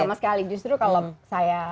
sama sekali justru kalau saya